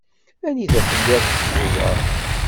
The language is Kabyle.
Anida telliḍ deg Tubeṛ?